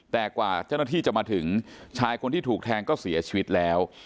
แต่กว่าเจ้าหน้าที่จะมาถึงชายคนที่ถูกแทงก็เสียชีวิตแล้ว